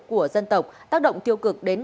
của dân tộc tác động tiêu cực đến